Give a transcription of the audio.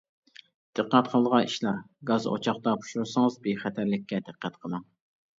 دىققەت قىلىدىغان ئىشلار: گاز ئوچاقتا پۇشۇرسىڭىز بىخەتەرلىككە دىققەت قىلىڭ.